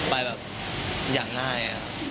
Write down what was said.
ไปแบบอย่างง่าย